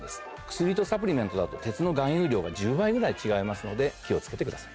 薬とサプリメントだと鉄の含有量が１０倍ぐらい違いますので気を付けてください。